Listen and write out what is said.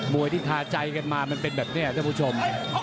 วยที่ทาใจกันมามันเป็นแบบนี้ท่านผู้ชม